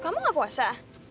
kamu gak puasa